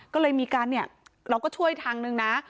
ก็เลยมีการเนี่ยเราก็ช่วยทางนึงนะ